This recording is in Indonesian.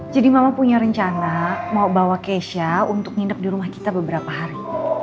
jadi mama punya rencana mau bawa keisha untuk nginep di rumah kita beberapa hari